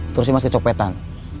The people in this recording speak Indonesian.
terus emas kecopetan